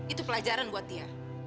itu pelajaran buat dia